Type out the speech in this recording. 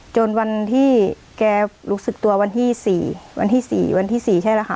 จนวันที่แกรู้สึกตัววันที่๔วันที่๔วันที่๔ใช่แล้วค่ะ